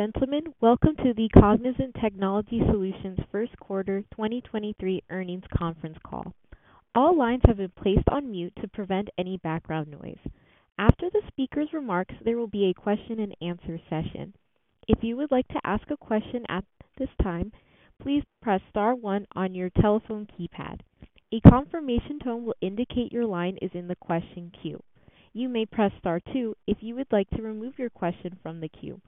Ladies and gentlemen, welcome to the Cognizant Technology Solutions first quarter 2023 earnings conference call. All lines have been placed on mute to prevent any background noise. After the speaker's remarks, there will be a question-and-answer session. If you would like to ask a question at this time, please press Star one on your telephone keypad. A confirmation tone will indicate your line is in the question queue. You may press Star two if you would like to remove your question from the queue.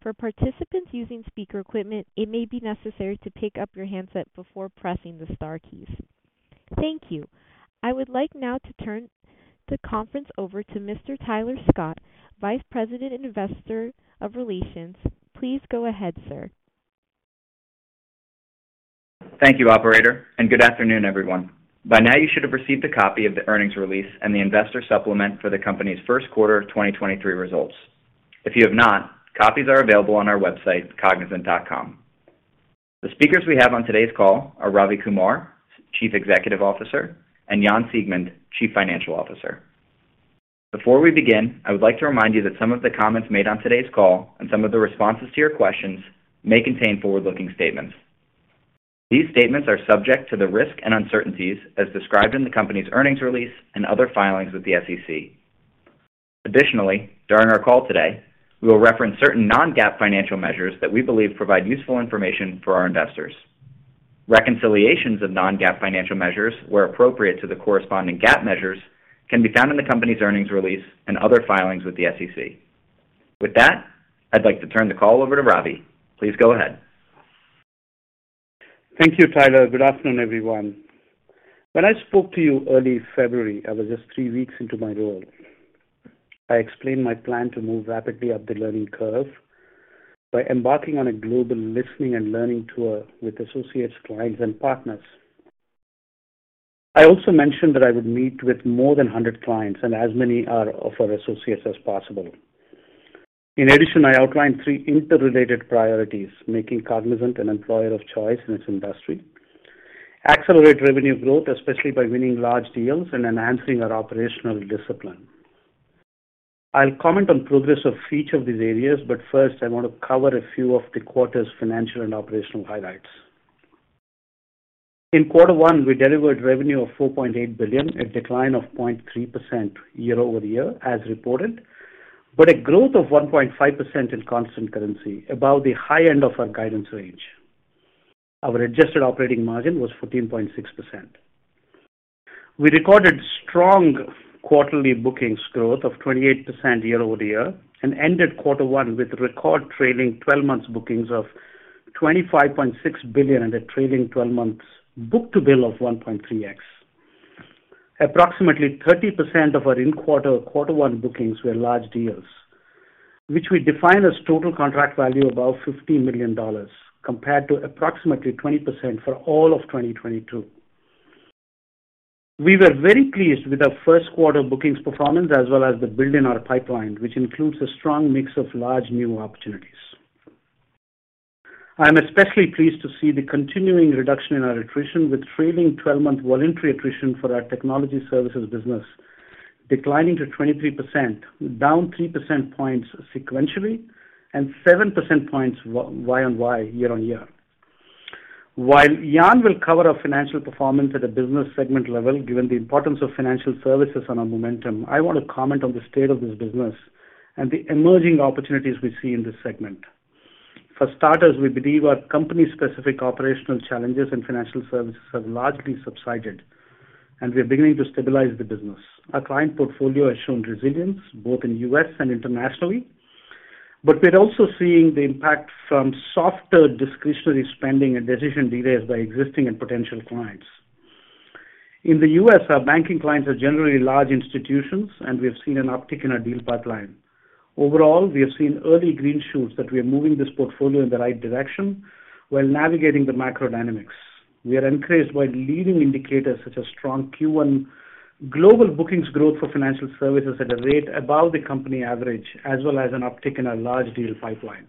For participants using speaker equipment, it may be necessary to pick up your handset before pressing the star keys. Thank you. I would like now to turn the conference over to Mr. Tyler Scott, Vice President, Investor Relations. Please go ahead, sir. Thank you, operator. Good afternoon, everyone. By now, you should have received a copy of the earnings release and the investor supplement for the company's first quarter of 2023 results. If you have not, copies are available on our website, cognizant.com. The speakers we have on today's call are Ravi Kumar, Chief Executive Officer, and Jan Siegmund, Chief Financial Officer. Before we begin, I would like to remind you that some of the comments made on today's call and some of the responses to your questions may contain forward-looking statements. These statements are subject to the risks and uncertainties as described in the company's earnings release and other filings with the SEC. Additionally, during our call today, we will reference certain non-GAAP financial measures that we believe provide useful information for our investors. Reconciliations of non-GAAP financial measures, where appropriate to the corresponding GAAP measures, can be found in the company's earnings release and other filings with the SEC. With that, I'd like to turn the call over to Ravi. Please go ahead. Thank you, Tyler. Good afternoon, everyone. When I spoke to you early February, I was just 3 weeks into my role. I explained my plan to move rapidly up the learning curve by embarking on a global listening and learning tour with associates, clients, and partners. I also mentioned that I would meet with more than 100 clients and as many of our associates as possible. In addition, I outlined three interrelated priorities: making Cognizant an employer of choice in its industry, accelerate revenue growth, especially by winning large deals, and enhancing our operational discipline. I'll comment on progress of each of these areas, but first, I want to cover a few of the quarter's financial and operational highlights. In Q1, we delivered revenue of $4.8 billion, a decline of 0.3% year-over-year as reported, but a growth of 1.5% in constant currency, above the high end of our guidance range. Our adjusted operating margin was 14.6%. We recorded strong quarterly bookings growth of 28% year-over-year and ended Q1 with record trailing twelve months bookings of $25.6 billion and a trailing twelve months book to bill of 1.3x. Approximately 30% of our in quarter, Q1 bookings were large deals, which we define as total contract value above $50 million compared to approximately 20% for all of 2022. We were very pleased with our first quarter bookings performance as well as the build in our pipeline, which includes a strong mix of large new opportunities. I am especially pleased to see the continuing reduction in our attrition, with trailing 12-month voluntary attrition for our technology services business declining to 23%, down 3% points sequentially and 7% points year-on-year. While Jan will cover our financial performance at a business segment level, given the importance of financial services on our momentum, I want to comment on the state of this business and the emerging opportunities we see in this segment. For starters, we believe our company-specific operational challenges in financial services have largely subsided, and we are beginning to stabilize the business. Our client portfolio has shown resilience both in the U.S. and internationally, but we're also seeing the impact from softer discretionary spending and decision delays by existing and potential clients. In the U.S., our banking clients are generally large institutions, and we have seen an uptick in our deal pipeline. Overall, we have seen early green shoots that we are moving this portfolio in the right direction while navigating the macro dynamics. We are encouraged by leading indicators such as strong Q1 global bookings growth for financial services at a rate above the company average, as well as an uptick in our large deal pipeline.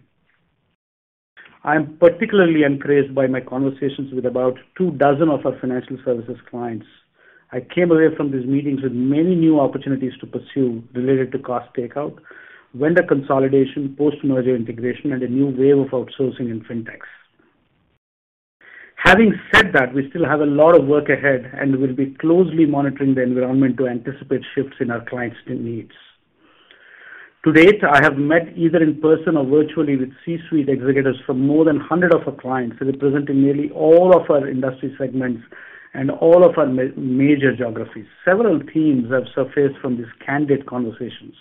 I am particularly encouraged by my conversations with about two dozen of our financial services clients. I came away from these meetings with many new opportunities to pursue related to cost takeout, vendor consolidation, post-merger integration, and a new wave of outsourcing in fintechs. Having said that, we still have a lot of work ahead, and we'll be closely monitoring the environment to anticipate shifts in our clients' needs. To date, I have met either in person or virtually with C-suite executives from more than 100 of our clients, representing nearly all of our industry segments and all of our major geographies. Several themes have surfaced from these candid conversations.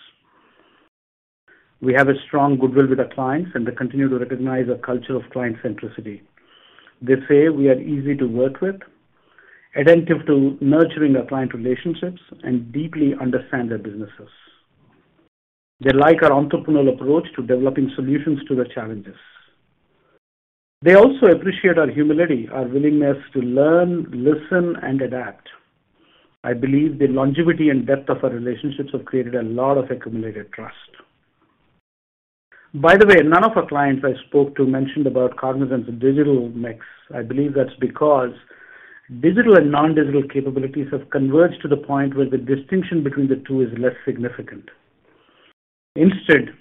We have a strong goodwill with our clients, and they continue to recognize our culture of client centricity. They say we are easy to work with, attentive to nurturing our client relationships, and deeply understand their businesses. They like our entrepreneurial approach to developing solutions to their challenges. They also appreciate our humility, our willingness to learn, listen, and adapt. I believe the longevity and depth of our relationships have created a lot of accumulated trust. By the way, none of our clients I spoke to mentioned about Cognizant's digital mix. I believe that's because digital and non-digital capabilities have converged to the point where the distinction between the two is less significant. Instead,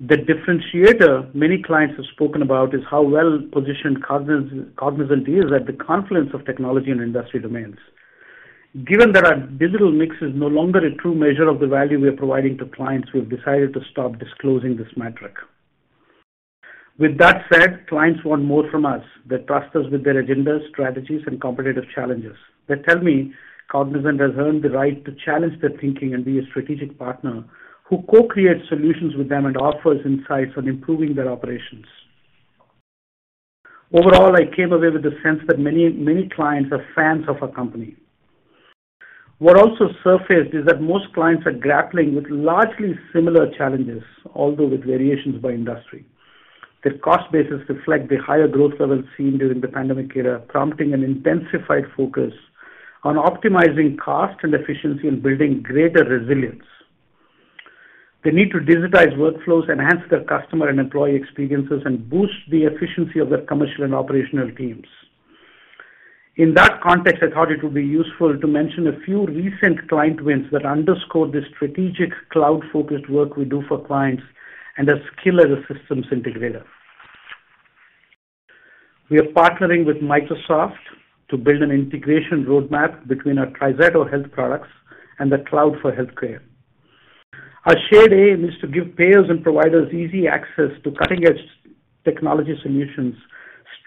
the differentiator many clients have spoken about is how well-positioned Cognizant is at the confluence of technology and industry demands. Given that our digital mix is no longer a true measure of the value we are providing to clients, we've decided to stop disclosing this metric. With that said, clients want more from us. They trust us with their agendas, strategies, and competitive challenges. They tell me Cognizant has earned the right to challenge their thinking and be a strategic partner who co-creates solutions with them and offers insights on improving their operations. Overall, I came away with the sense that many clients are fans of our company. What also surfaced is that most clients are grappling with largely similar challenges, although with variations by industry. Their cost bases reflect the higher growth levels seen during the pandemic era, prompting an intensified focus on optimizing cost and efficiency and building greater resilience. They need to digitize workflows, enhance their customer and employee experiences, and boost the efficiency of their commercial and operational teams. In that context, I thought it would be useful to mention a few recent client wins that underscore the strategic cloud-focused work we do for clients and our skill as a systems integrator. We are partnering with Microsoft to build an integration roadmap between our TriZetto Health products and the Cloud for Healthcare. Our shared aim is to give payers and providers easy access to cutting-edge technology solutions,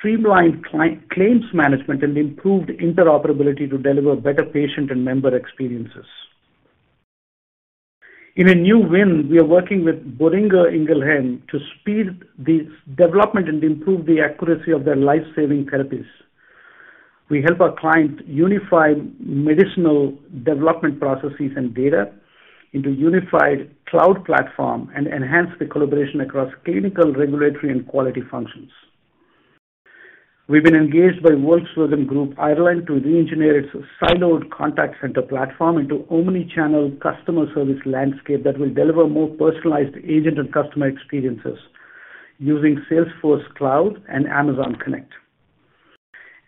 streamlined client claims management, and improved interoperability to deliver better patient and member experiences. In a new win, we are working with Boehringer Ingelheim to speed the development and improve the accuracy of their life-saving therapies. We help our clients unify medicinal development processes and data into unified cloud platform and enhance the collaboration across clinical, regulatory, and quality functions. We've been engaged by Volkswagen Group Ireland to reengineer its siloed contact center platform into omni-channel customer service landscape that will deliver more personalized agent and customer experiences using Salesforce Cloud and Amazon Connect.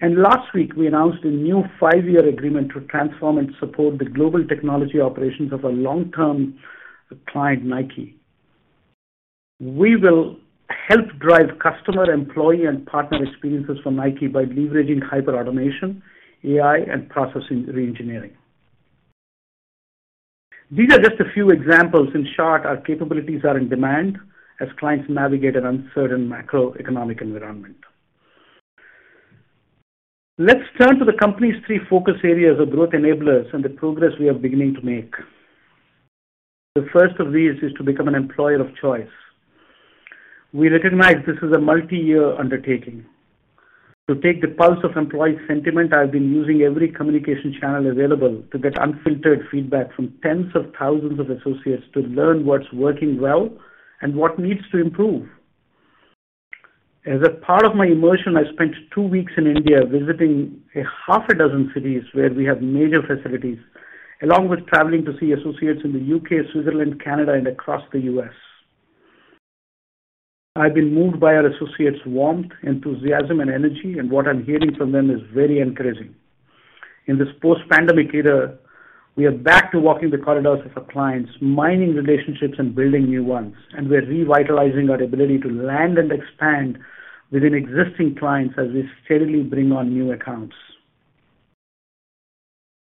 Last week, we announced a new five-year agreement to transform and support the global technology operations of a long-term client, Nike. We will help drive customer, employee, and partner experiences for Nike by leveraging hyper-automation, AI, and processing reengineering. These are just a few examples. In short, our capabilities are in demand as clients navigate an uncertain macroeconomic environment. Let's turn to the company's three focus areas of growth enablers and the progress we are beginning to make. The first of these is to become an employer of choice. We recognize this is a multi-year undertaking. To take the pulse of employee sentiment, I've been using every communication channel available to get unfiltered feedback from tens of thousands of associates to learn what's working well and what needs to improve. As a part of my immersion, I spent two weeks in India visiting a half a dozen cities where we have major facilities, along with traveling to see associates in the U.K., Switzerland, Canada, and across the U.S. What I'm hearing from them is very encouraging. In this post-pandemic era, we are back to walking the corridors of our clients, mining relationships, and building new ones, and we're revitalizing our ability to land and expand within existing clients as we steadily bring on new accounts.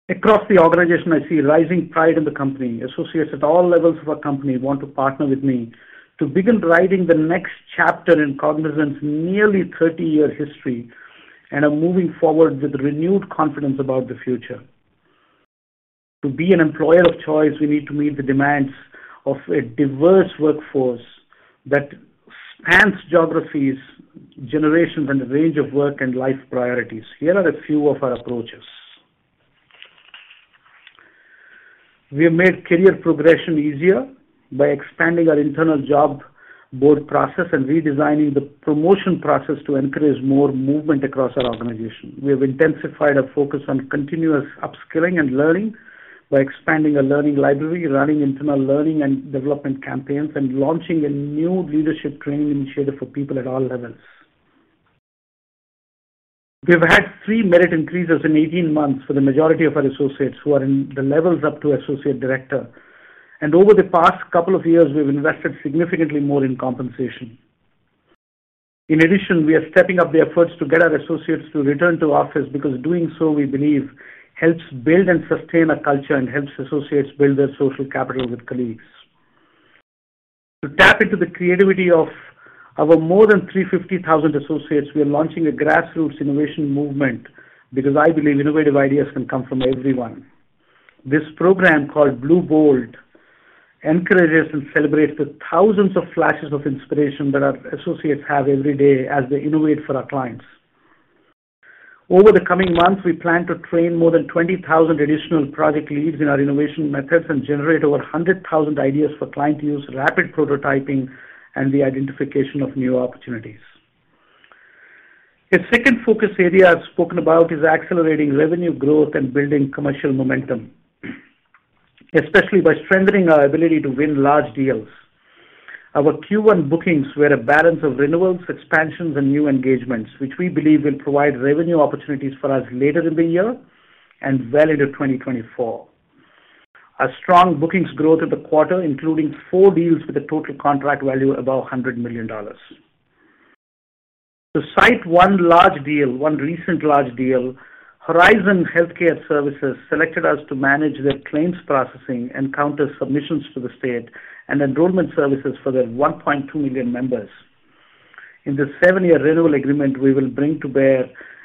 Across the organization, I see rising pride in the company. Associates at all levels of our company want to partner with me to begin writing the next chapter in Cognizant's nearly 30-year history and are moving forward with renewed confidence about the future. To be an employer of choice, we need to meet the demands of a diverse workforce that spans geographies, generations, and a range of work and life priorities. Here are a few of our approaches. We have made career progression easier by expanding our internal job board process and redesigning the promotion process to encourage more movement across our organization. We have intensified our focus on continuous upskilling and learning by expanding our learning library, running internal learning and development campaigns, and launching a new leadership training initiative for people at all levels. We've had three merit increases in 18 months for the majority of our associates who are in the levels up to associate director. Over the past couple of years, we've invested significantly more in compensation. In addition, we are stepping up the efforts to get our associates to return to office because doing so, we believe, helps build and sustain our culture and helps associates build their social capital with colleagues. To tap into the creativity of our more than 350,000 associates, we are launching a grassroots innovation movement because I believe innovative ideas can come from everyone. This program, called Bluebolt, encourages and celebrates the thousands of flashes of inspiration that our associates have every day as they innovate for our clients. Over the coming months, we plan to train more than 20,000 additional project leads in our innovation methods and generate over 100,000 ideas for client use, rapid prototyping, and the identification of new opportunities. The second focus area I've spoken about is accelerating revenue growth and building commercial momentum. Especially by strengthening our ability to win large deals. Our Q1 bookings were a balance of renewals, expansions, and new engagements, which we believe will provide revenue opportunities for us later in the year and well into 2024. Our strong bookings growth in the quarter, including four deals with a total contract value above $100 million. To cite one large deal, one recent large deal, Horizon Healthcare Services selected us to manage their claims processing and counter submissions to the state and enrollment services for their 1.2 million members. In this 7-year renewal agreement, we will bring to bear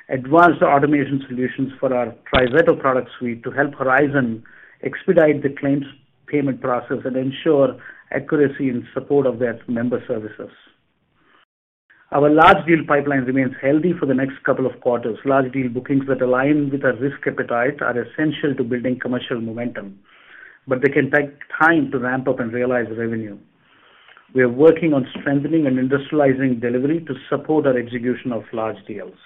advanced automation solutions for our TriZetto product suite to help Horizon expedite the claims payment process and ensure accuracy in support of their member services. Our large deal pipeline remains healthy for the next couple of quarters. Large deal bookings that align with our risk appetite are essential to building commercial momentum, but they can take time to ramp up and realize revenue. We are working on strengthening and industrializing delivery to support our execution of large deals.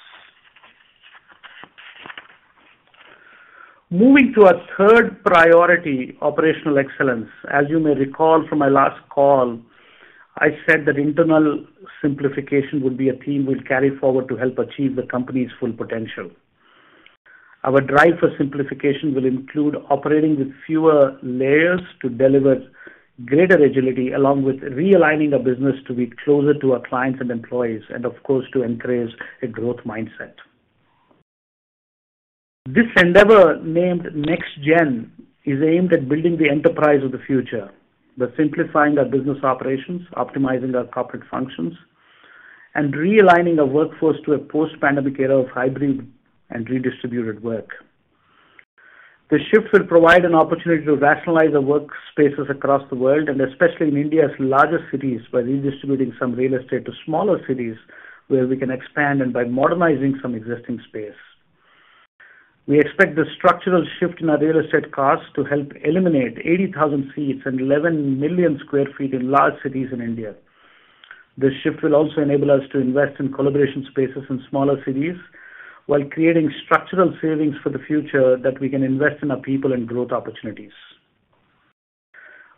Moving to our third priority, operational excellence. As you may recall from my last call, I said that internal simplification would be a theme we'll carry forward to help achieve the company's full potential. Our drive for simplification will include operating with fewer layers to deliver greater agility, along with realigning our business to be closer to our clients and employees, and of course, to embrace a growth mindset. This endeavor, named NextGen, is aimed at building the enterprise of the future by simplifying our business operations, optimizing our corporate functions, and realigning our workforce to a post-pandemic era of hybrid and redistributed work. The shift will provide an opportunity to rationalize our workspaces across the world, and especially in India's largest cities, by redistributing some real estate to smaller cities where we can expand and by modernizing some existing space. We expect this structural shift in our real estate costs to help eliminate 80,000 seats and 11 million square feet in large cities in India. This shift will also enable us to invest in collaboration spaces in smaller cities while creating structural savings for the future that we can invest in our people and growth opportunities.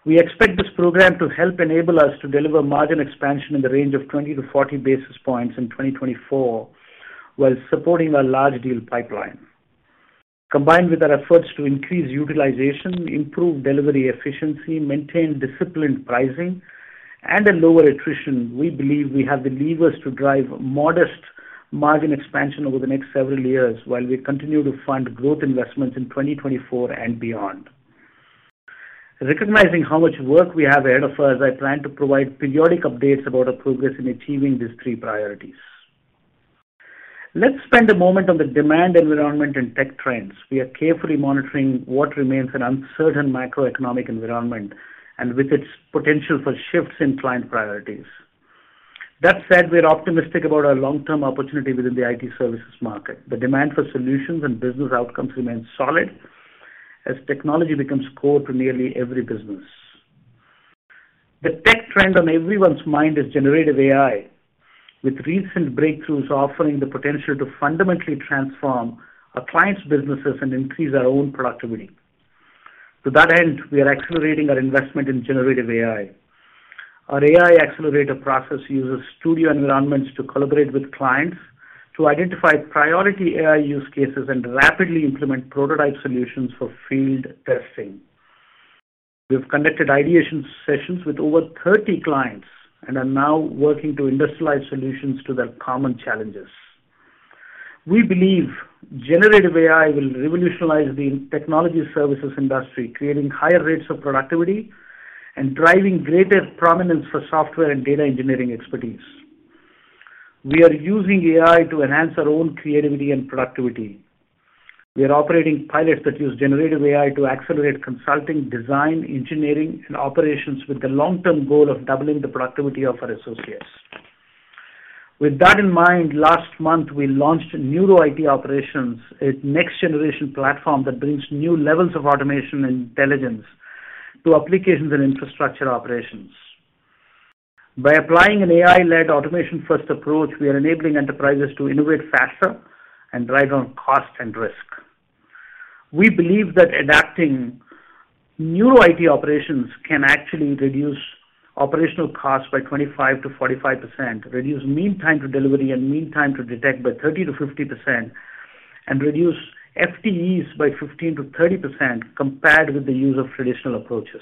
We expect this program to help enable us to deliver margin expansion in the range of 20-40 basis points in 2024, while supporting our large deal pipeline. Combined with our efforts to increase utilization, improve delivery efficiency, maintain disciplined pricing, and a lower attrition, we believe we have the levers to drive modest margin expansion over the next several years while we continue to fund growth investments in 2024 and beyond. Recognizing how much work we have ahead of us, I plan to provide periodic updates about our progress in achieving these three priorities. Let's spend a moment on the demand environment and tech trends. We are carefully monitoring what remains an uncertain macroeconomic environment and with its potential for shifts in client priorities. That said, we are optimistic about our long-term opportunity within the IT services market. The demand for solutions and business outcomes remains solid as technology becomes core to nearly every business. The tech trend on everyone's mind is generative AI, with recent breakthroughs offering the potential to fundamentally transform our clients' businesses and increase our own productivity. To that end, we are accelerating our investment in generative AI. Our AI accelerator process uses studio environments to collaborate with clients to identify priority AI use cases and rapidly implement prototype solutions for field testing. We've conducted ideation sessions with over 30 clients and are now working to industrialize solutions to their common challenges. We believe generative AI will revolutionize the technology services industry, creating higher rates of productivity and driving greater prominence for software and data engineering expertise. We are using AI to enhance our own creativity and productivity. We are operating pilots that use generative AI to accelerate consulting, design, engineering, and operations with the long-term goal of doubling the productivity of our associates. With that in mind, last month, we launched Neuro IT Operations, a next-generation platform that brings new levels of automation and intelligence to applications and infrastructure operations. By applying an AI-led automation-first approach, we are enabling enterprises to innovate faster and drive down cost and risk. We believe that adapting new IT operations can actually reduce operational costs by 25%-45%, reduce mean time to delivery and mean time to detect by 30%-50%, and reduce FTEs by 15%-30% compared with the use of traditional approaches.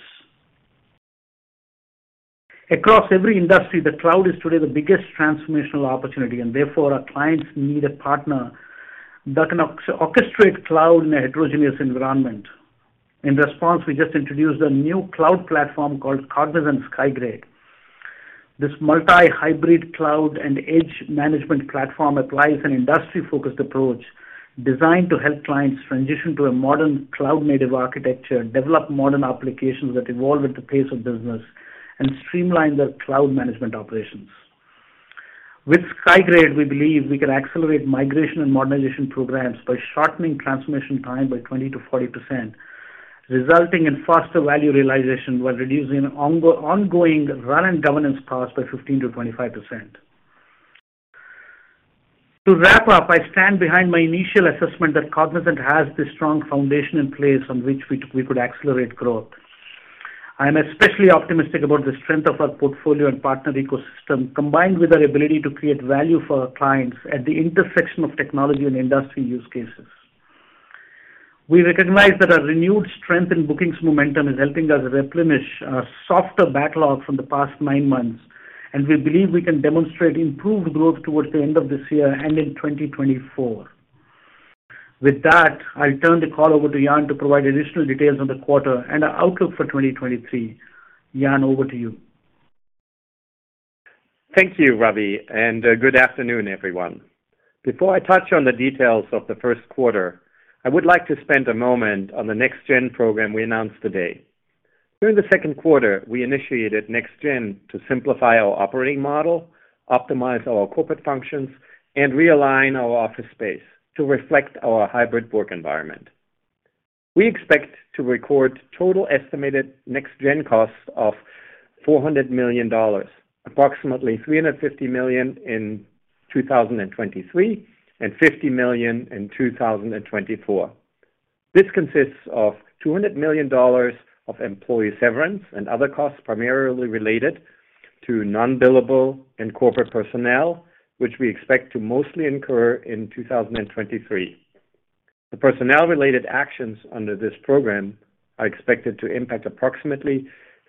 Across every industry, the cloud is today the biggest transformational opportunity, and therefore, our clients need a partner that can orchestrate cloud in a heterogeneous environment. In response, we just introduced a new cloud platform called Cognizant Skygrade. This multi-hybrid cloud and edge management platform applies an industry-focused approach designed to help clients transition to a modern cloud-native architecture, develop modern applications that evolve at the pace of business, and streamline their cloud management operations. With Skygrade, we believe we can accelerate migration and modernization programs by shortening transformation time by 20%-40%, resulting in faster value realization while reducing ongoing run and governance costs by 15%-25%. To wrap up, I stand behind my initial assessment that Cognizant has the strong foundation in place on which we could accelerate growth. I'm especially optimistic about the strength of our portfolio and partner ecosystem, combined with our ability to create value for our clients at the intersection of technology and industry use cases. We recognize that our renewed strength in bookings momentum is helping us replenish our softer backlog from the past nine months, and we believe we can demonstrate improved growth towards the end of this year and in 2024. With that, I turn the call over to Jan to provide additional details on the quarter and our outlook for 2023. Jan, over to you. Thank you, Ravi, and good afternoon, everyone. Before I touch on the details of the first quarter, I would like to spend a moment on the NextGen program we announced today. During the second quarter, we initiated NextGen to simplify our operating model, optimize our corporate functions, and realign our office space to reflect our hybrid work environment. We expect to record total estimated NextGen costs of $400 million, approximately $350 million in 2023, and $50 million in 2024. This consists of $200 million of employee severance and other costs primarily related to non-billable and corporate personnel, which we expect to mostly incur in 2023. The personnel-related actions under this program are expected to impact approximately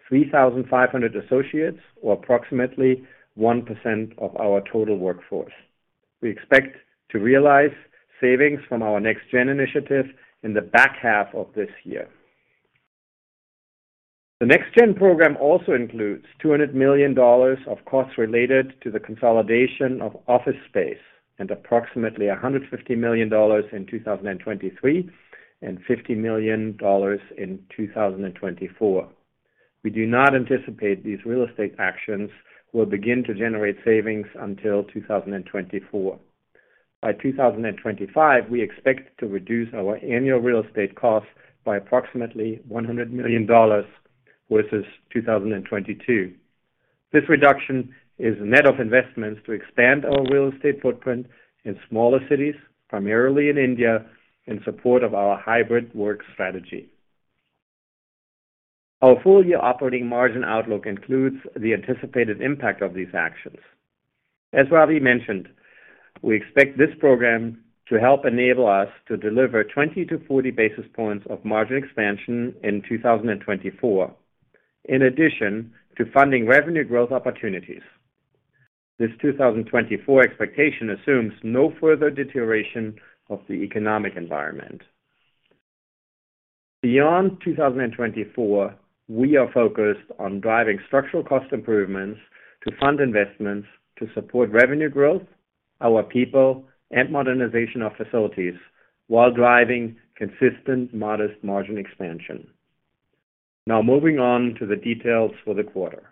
3,500 associates or approximately 1% of our total workforce. We expect to realize savings from our NextGen initiative in the back half of this year. The NextGen program also includes $200 million of costs related to the consolidation of office space, and approximately $150 million in 2023, and $50 million in 2024. We do not anticipate these real estate actions will begin to generate savings until 2024. By 2025, we expect to reduce our annual real estate costs by approximately $100 million versus 2022. This reduction is net of investments to expand our real estate footprint in smaller cities, primarily in India, in support of our hybrid work strategy. Our full-year operating margin outlook includes the anticipated impact of these actions. As Ravi mentioned, we expect this program to help enable us to deliver 20-40 basis points of margin expansion in 2024, in addition to funding revenue growth opportunities. This 2024 expectation assumes no further deterioration of the economic environment. Beyond 2024, we are focused on driving structural cost improvements to fund investments to support revenue growth, our people, and modernization of facilities while driving consistent modest margin expansion. Now moving on to the details for the quarter.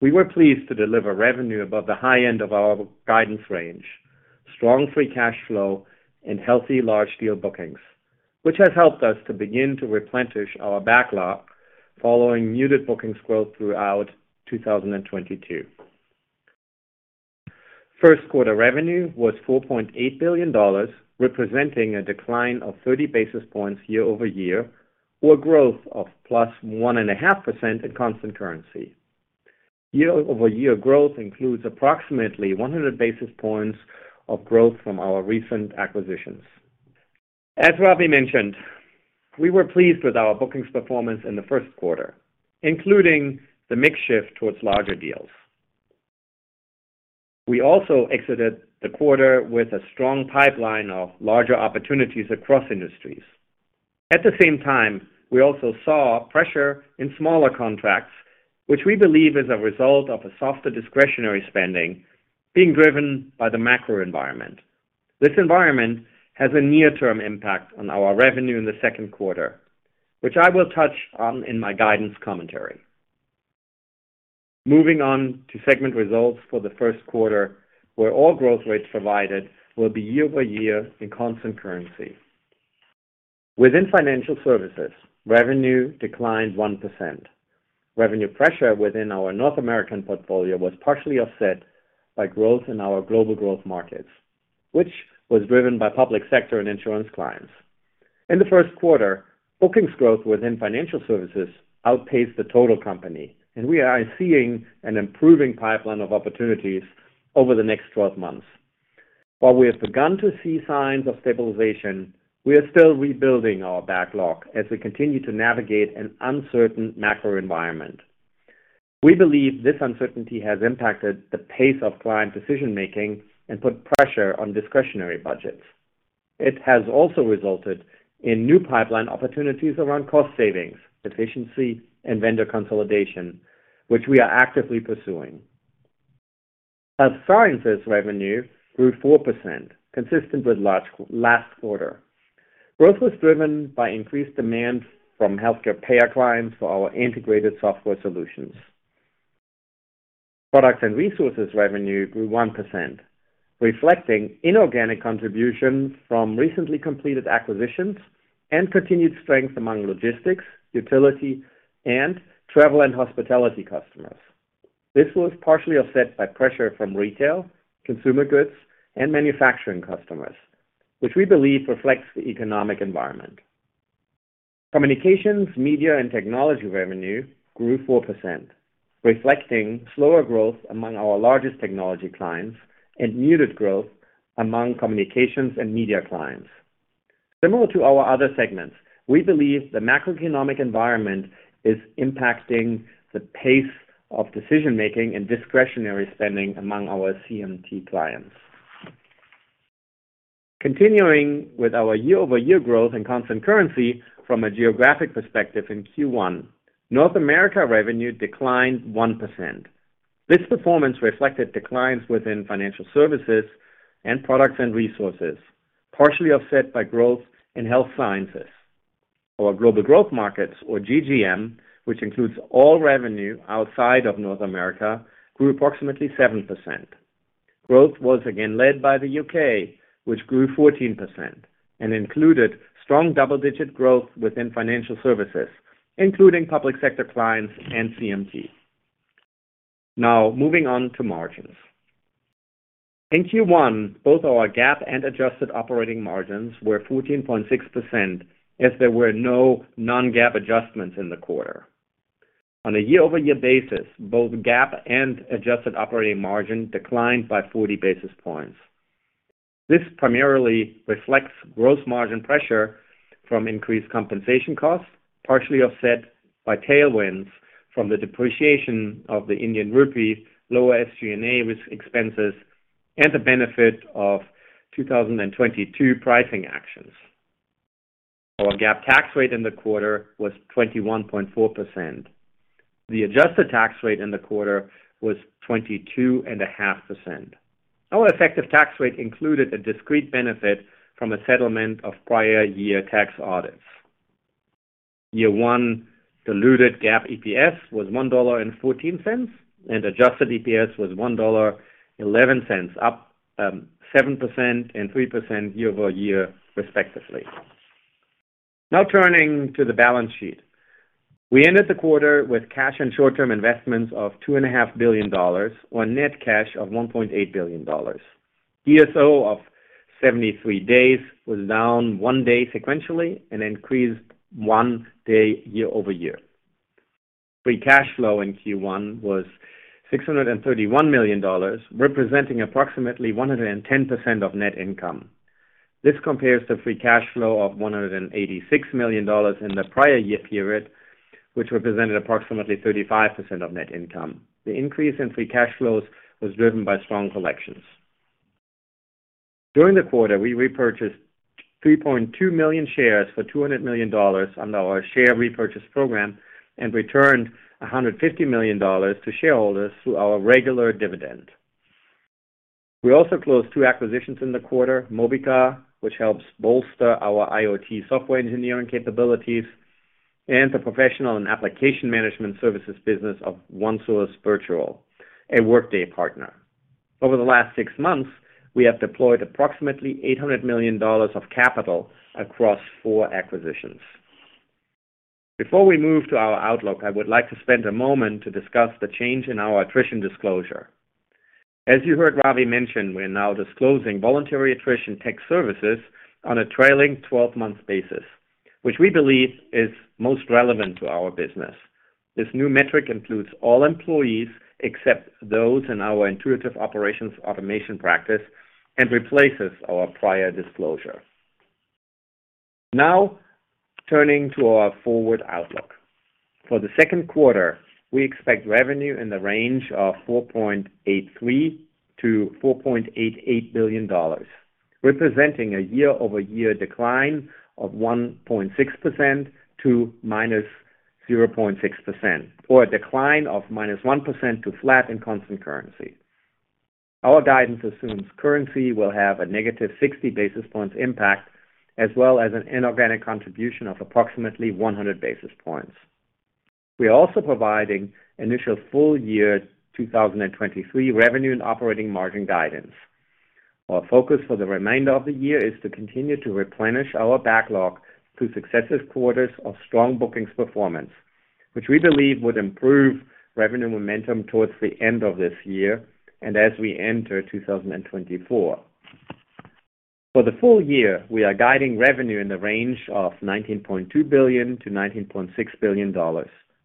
We were pleased to deliver revenue above the high end of our guidance range, strong free cash flow and healthy large deal bookings, which has helped us to begin to replenish our backlog following muted bookings growth throughout 2022. First quarter revenue was $4.8 billion, representing a decline of 30 basis points year-over-year, or growth of +1.5% in constant currency. Year-over-year growth includes approximately 100 basis points of growth from our recent acquisitions. As Ravi mentioned, we were pleased with our bookings performance in the first quarter, including the mix shift towards larger deals. We also exited the quarter with a strong pipeline of larger opportunities across industries. At the same time, we also saw pressure in smaller contracts, which we believe is a result of a softer discretionary spending being driven by the macro environment. This environment has a near-term impact on our revenue in the second quarter, which I will touch on in my guidance commentary. Moving on to segment results for the first quarter, where all growth rates provided will be year-over-year in constant currency. Within financial services, revenue declined 1%. Revenue pressure within our North American portfolio was partially offset by growth in our global growth markets, which was driven by public sector and insurance clients. In the first quarter, bookings growth within financial services outpaced the total company. We are seeing an improving pipeline of opportunities over the next 12 months. While we have begun to see signs of stabilization, we are still rebuilding our backlog as we continue to navigate an uncertain macro environment. We believe this uncertainty has impacted the pace of client decision-making and put pressure on discretionary budgets. It has also resulted in new pipeline opportunities around cost savings, efficiency, and vendor consolidation, which we are actively pursuing. Health Sciences revenue grew 4%, consistent with last quarter. Growth was driven by increased demand from healthcare payer clients for our Integrated Software Solutions. Products and Resources revenue grew 1%, reflecting inorganic contributions from recently completed acquisitions. Continued strength among logistics, utility, and travel and hospitality customers. This was partially offset by pressure from retail, consumer goods, and manufacturing customers, which we believe reflects the economic environment. Communications, Media, and Technology revenue grew 4%, reflecting slower growth among our largest technology clients and muted growth among Communications and Media clients. Similar to our other segments, we believe the macroeconomic environment is impacting the pace of decision-making and discretionary spending among our CMT clients. Continuing with our year-over-year growth in constant currency from a geographic perspective in Q1, North America revenue declines 1%. This performance reflected declines within Financial Services and Products and Resources, partially offset by growth in Health Sciences. Our Global Growth Markets, or GGM, which includes all revenue outside of North America, grew approximately 7%. Growth was again led by the U.K., which grew 14% and included strong double-digit growth within Financial Services, including Public Sector clients and CMT. Moving on to margins. In Q1, both our GAAP and adjusted operating margin were 14.6%, as there were no non-GAAP adjustments in the quarter. On a year-over-year basis, both GAAP and adjusted operating margin declined by 40 basis points. This primarily reflects gross margin pressure from increased compensation costs, partially offset by tailwinds from the depreciation of the Indian rupee, lower SG&A risk expenses, and the benefit of 2022 pricing actions. Our GAAP tax rate in the quarter was 21.4%. The adjusted tax rate in the quarter was 22.5%. Our effective tax rate included a discrete benefit from a settlement of prior year tax audits. Year one diluted GAAP EPS was $1.14, and adjusted EPS was $1.11, up 7% and 3% year-over-year respectively. Turning to the balance sheet. We ended the quarter with cash and short-term investments of $2.5 billion on net cash of $1.8 billion. DSO of 73 days was down 1 day sequentially and increased 1 day year-over-year. Free cash flow in Q1 was $631 million, representing approximately 110% of net income. This compares to free cash flow of $186 million in the prior year, which represented approximately 35% of net income. The increase in free cash flows was driven by strong collections. During the quarter, we repurchased 3.2 million shares for $200 million under our share repurchase program and returned $150 million to shareholders through our regular dividend. We also closed two acquisitions in the quarter, Mobica, which helps bolster our IoT software engineering capabilities, and the professional and application management services business of OneSource Virtual, a Workday partner. Over the last six months, we have deployed approximately $800 million of capital across four acquisitions. Before we move to our outlook, I would like to spend a moment to discuss the change in our attrition disclosure. As you heard Ravi mention, we're now disclosing voluntary attrition tech services on a trailing 12-month basis, which we believe is most relevant to our business. This new metric includes all employees except those in our Intuitive Operations and Automation practice and replaces our prior disclosure. Turning to our forward outlook. For the second quarter, we expect revenue in the range of $4.83 billion-$4.88 billion, representing a year-over-year decline of 1.6% to -0.6%, or a decline of -1% to flat in constant currency. Our guidance assumes currency will have a negative 60 basis points impact as well as an inorganic contribution of approximately 100 basis points. We are also providing initial full year 2023 revenue and operating margin guidance. Our focus for the remainder of the year is to continue to replenish our backlog through successive quarters of strong bookings performance, which we believe would improve revenue momentum towards the end of this year and as we enter 2024. For the full-year, we are guiding revenue in the range of $19.2 billion-$19.6 billion,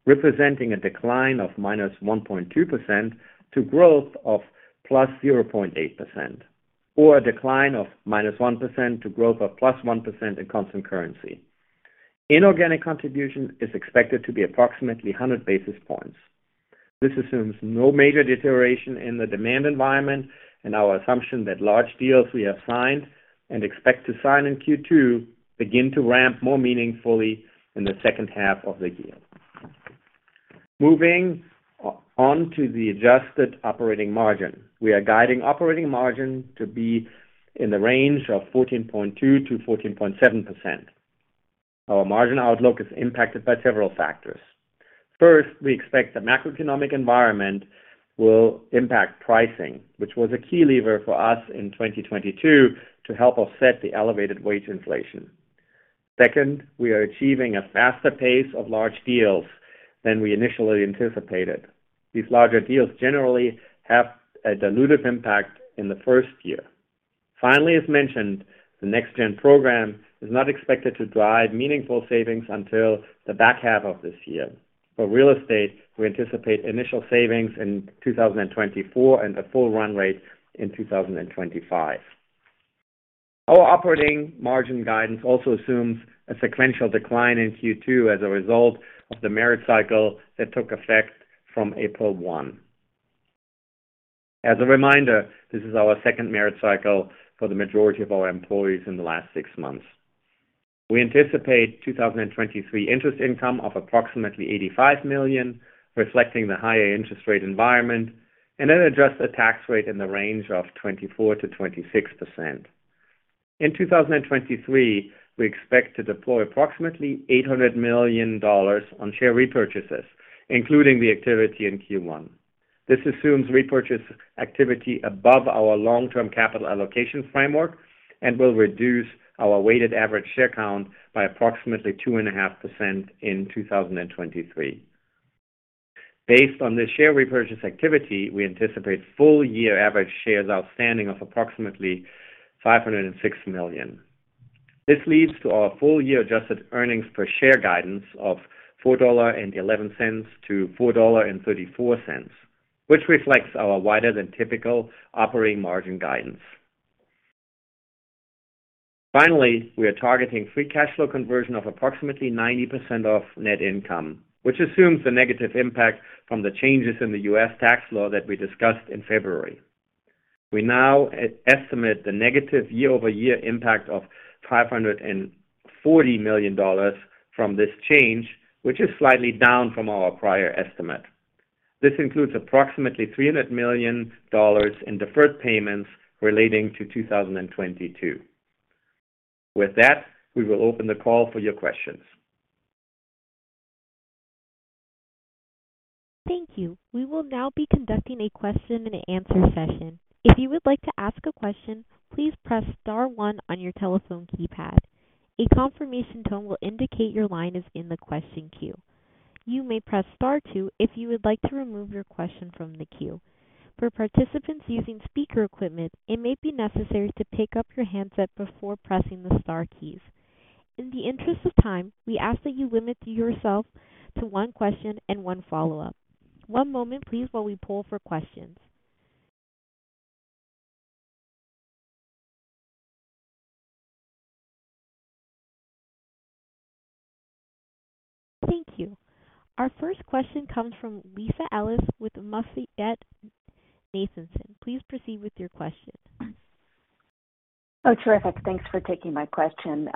representing a decline of -1.2% to growth of +0.8%, or a decline of -1% to growth of +1% in constant currency. Inorganic contribution is expected to be approximately 100 basis points. This assumes no major deterioration in the demand environment and our assumption that large deals we have signed and expect to sign in Q2 begin to ramp more meaningfully in the second half of the year. Moving on to the adjusted operating margin. We are guiding operating margin to be in the range of 14.2%-14.7%. Our margin outlook is impacted by several factors. First, we expect the macroeconomic environment will impact pricing, which was a key lever for us in 2022 to help offset the elevated wage inflation. Second, we are achieving a faster pace of large deals than we initially anticipated. These larger deals generally have a dilutive impact in the first year. As mentioned, the NextGen program is not expected to drive meaningful savings until the back half of this year. For real estate, we anticipate initial savings in 2024 and a full run rate in 2025. Our operating margin guidance also assumes a sequential decline in Q2 as a result of the merit cycle that took effect from April 1. As a reminder, this is our second merit cycle for the majority of our employees in the last six months. We anticipate 2023 interest income of approximately $85 million, reflecting the higher interest rate environment, and an adjusted tax rate in the range of 24%-26%. In 2023, we expect to deploy approximately $800 million on share repurchases, including the activity in Q1. This assumes repurchase activity above our long-term capital allocations framework and will reduce our weighted average share count by approximately 2.5% in 2023. Based on this share repurchase activity, we anticipate full-year average shares outstanding of approximately $506 million. This leads to our full-year adjusted earnings per share guidance of $4.11-$4.34, which reflects our wider than typical operating margin guidance. Finally, we are targeting free cash flow conversion of approximately 90% of net income, which assumes the negative impact from the changes in the U.S. tax law that we discussed in February. We now estimate the negative year-over-year impact of $540 million from this change, which is slightly down from our prior estimate. This includes approximately $300 million in deferred payments relating to 2022. With that, we will open the call for your questions. Thank you. We will now be conducting a question-and-answer session. If you would like to ask a question, please press Star one on your telephone keypad. A confirmation tone will indicate your line is in the question queue. You may press Star two if you would like to remove your question from the queue. For participants using speaker equipment, it may be necessary to pick up your handset before pressing the star keys. In the interest of time, we ask that you limit yourself to one question and one follow-up. One moment please while we poll for questions. Thank you. Our first question comes from Lisa Ellis with MoffettNathanson. Please proceed with your question. Oh, terrific. Thanks for taking my question.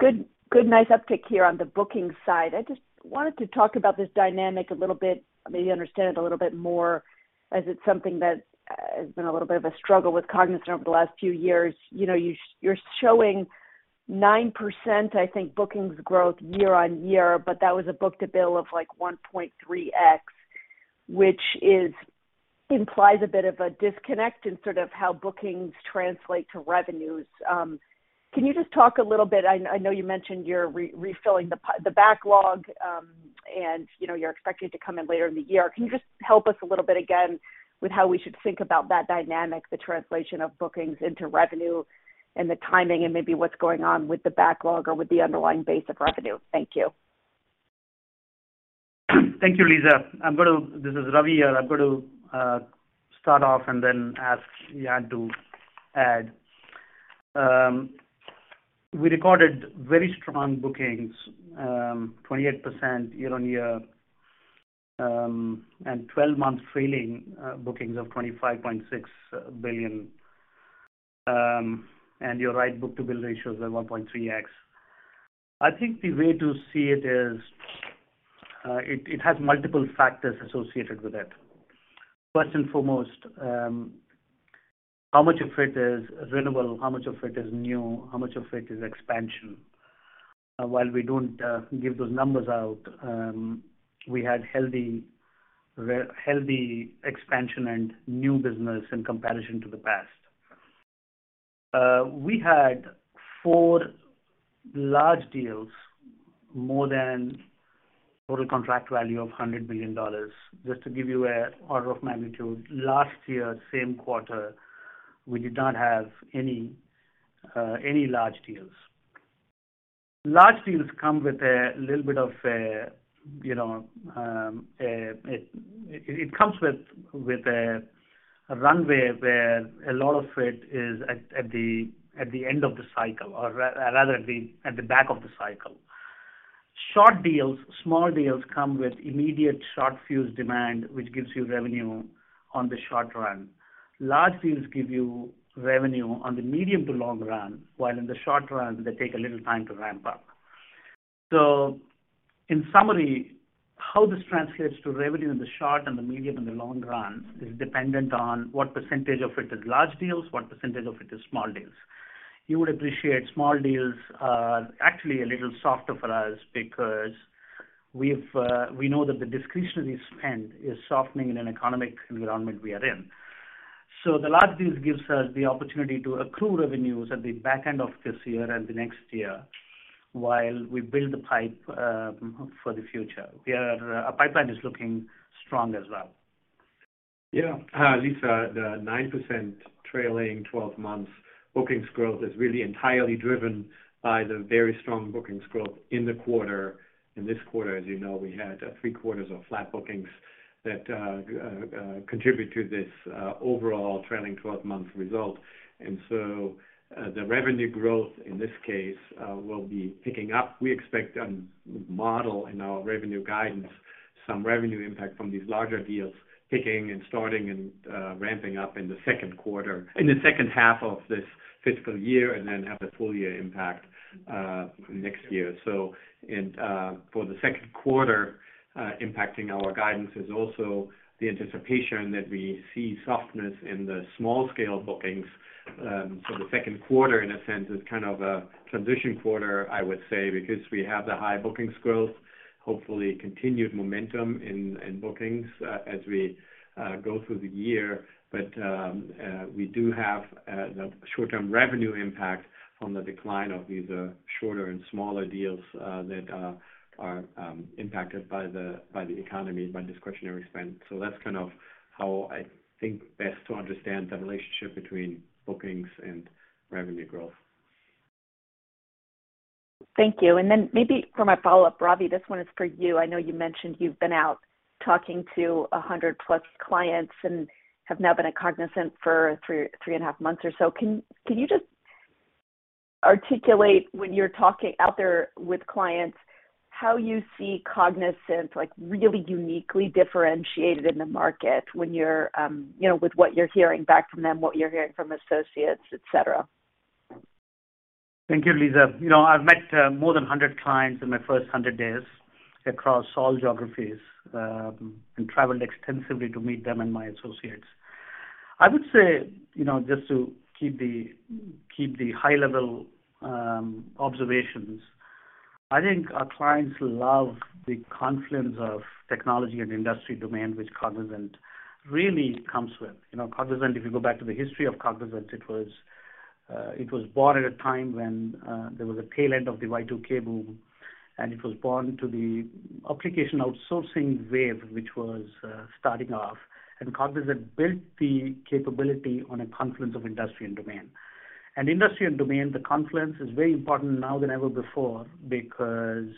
Good, nice uptick here on the booking side. I just wanted to talk about this dynamic a little bit, maybe understand it a little bit more, as it's something that has been a little bit of a struggle with Cognizant over the last few years. You know, you're showing 9%, I think, bookings growth year-on-year, but that was a book-to-bill of like 1.3x, which implies a bit of a disconnect in sort of how bookings translate to revenues. Can you just talk a little bit? I know you mentioned you're refilling the backlog, and you know, you're expecting to come in later in the year. Can you just help us a little bit, again, with how we should think about that dynamic, the translation of bookings into revenue and the timing and maybe what's going on with the backlog or with the underlying base of revenue? Thank you. Thank you, Lisa. This is Ravi here. I'm going to start off and then ask Jan to add. We recorded very strong bookings, 28% year-over-year, and 12-month trailing bookings of $25.6 billion. You're right, book-to-bill ratio is at 1.3x. I think the way to see it is, it has multiple factors associated with it. First and foremost, how much of it is renewable, how much of it is new, how much of it is expansion? While we don't give those numbers out, we had healthy expansion and new business in comparison to the past. We had four large deals, more than total contract value of $100 million. Just to give you an order of magnitude, last year, same quarter, we did not have any large deals. Large deals come with a little bit of a, you know, It comes with a runway where a lot of it is at the end of the cycle or rather at the back of the cycle. Short deals, small deals come with immediate short fuse demand, which gives you revenue on the short run. Large deals give you revenue on the medium to long run, while in the short run they take a little time to ramp up. In summary, how this translates to revenue in the short and the medium and the long run is dependent on what percentage of it is large deals, what percentag of it is small deals. You would appreciate small deals are actually a little softer for us because we've, we know that the discretionary spend is softening in an economic environment we are in. The large deals gives us the opportunity to accrue revenues at the back end of this year and the next year while we build the pipe for the future. Our pip eline is looking strong as well. Lisa, the 9% trailing 12 months bookings growth is really entirely driven by the very strong bookings growth in the quarter. In this quarter, as you know, we had three quarters of flat bookings that contribute to this overall trailing twelve month result. The revenue growth in this case will be picking up. We expect and model in our revenue guidance some revenue impact from these larger deals picking and starting and ramping up in the second half of this fiscal year, and then have a full-year impact next year. For the second quarter, impacting our guidance is also the anticipation that we see softness in the small scale bookings. The second quarter in a sense is kind of a transition quarter, I would say, because we have the high bookings growth, hopefully continued momentum in bookings as we go through the year. We do have the short-term revenue impact from the decline of these shorter and smaller deals that are impacted by the economy, by discretionary spend. That's kind of how I think best to understand the relationship between bookings and revenue growth. Thank you. Maybe for my follow-up, Ravi, this one is for you. I know you mentioned you've been out talking to 100+ clients and have now been at Cognizant for 3.5 months or so. Can you just articulate when you're talking out there with clients, how you see Cognizant like really uniquely differentiated in the market when you're, you know, with what you're hearing back from them, what you're hearing from associates, et cetera? Thank you, Lisa. You know, I've met more than 100 clients in my first 100 days across all geographies, and traveled extensively to meet them and my associates. I would say, you know, just to keep the high level observations, I think our clients love the confluence of technology and industry demand, which Cognizant really comes with. You know, Cognizant, if you go back to the history of Cognizant, it was born at a time when there was a tail end of the Y2K boom, and it was born to the application outsourcing wave, which was starting off. Cognizant built the capability on a confluence of industry and domain. Industry and domain, the confluence is very important now than ever before because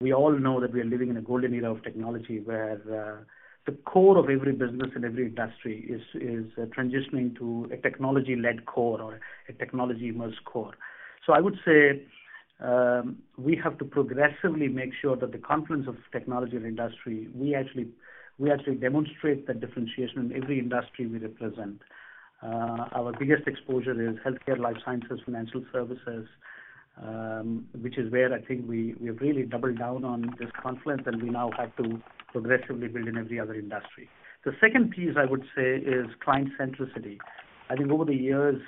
we all know that we are living in a golden era of technology, where the core of every business and every industry is transitioning to a technology-led core or a technology-immersed core. I would say, we have to progressively make sure that the confluence of technology and industry, we actually demonstrate that differentiation in every industry we represent. Our biggest exposure is Healthcare, Life Sciences, Financial Services, which is where I think we have really doubled down on this confluence, and we now have to progressively build in every other industry. The second piece I would say is client centricity. I think over the years,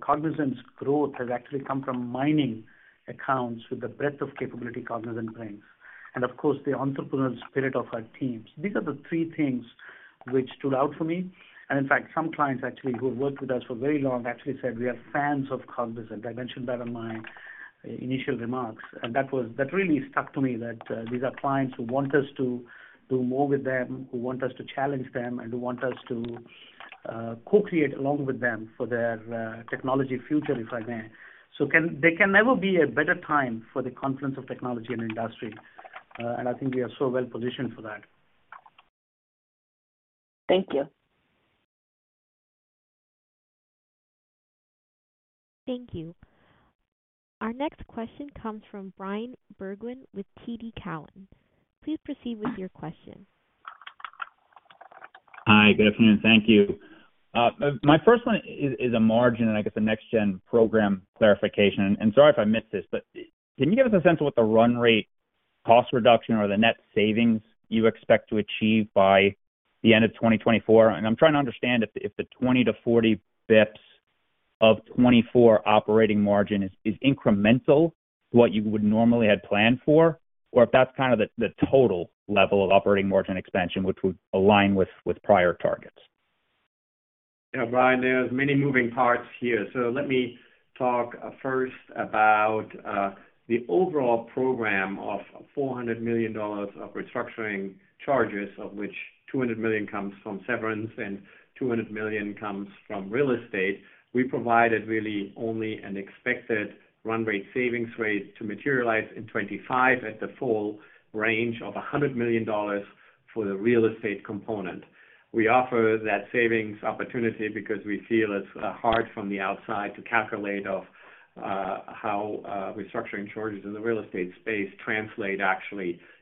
Cognizant's growth has actually come from mining accounts with the breadth of capability Cognizant brings, and of course, the entrepreneurial spirit of our teams. These are the three things which stood out for me. In fact, some clients actually who have worked with us for very long actually said we are fans of Cognizant. I mentioned that in my initial remarks. That really stuck to me, that, these are clients who want us to do more with them, who want us to challenge them, and who want us to, co-create along with them for their technology future, if I may. There can never be a better time for the confluence of technology and industry, and I think we are so well positioned for that. Thank you. Thank you. Our next question comes from Bryan Bergin with TD Cowen. Please proceed with your question. My first one is a margin, and I guess a NextGen program clarification. Sorry if I missed this, but can you give us a sense of what the run rate cost reduction or the net savings you expect to achieve by the end of 2024? I'm trying to understand if the 20-40 bps of 2024 operating margin is incremental to what you would normally had planned for, or if that's kind of the total level of operating margin expansion which would align with prior targets. Yeah, Bryan, there's many moving parts here. Let me talk first about the overall program of $400 million of restructuring charges, of which $200 million comes from severance and $200 million comes from real estate. We provided really only an expected run rate savings rate to materialize in 2025 at the full range of $100 million for the real estate component. We offer that savings opportunity because we feel it's hard from the outside to calculate of how restructuring charges in the real estate space translate actually into